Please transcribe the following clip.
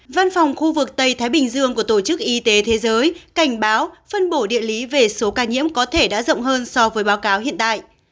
văn phòng khu vực tây thái bình dương của tổ chức y tế thế giới cảnh báo phân bổ địa lý về số ca nhiễm có thể đã rộng hơn so với báo cáo hiện tại